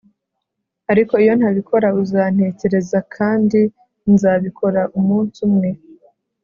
ariko iyo ntabikora uzantekereza kandi nzabikora umunsi umwe